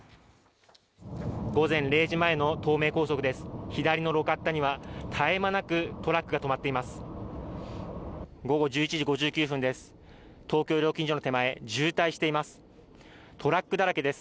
午前０時前の東名高速です